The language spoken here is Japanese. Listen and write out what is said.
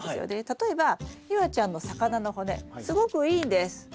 例えば夕空ちゃんの魚の骨すごくいいんです。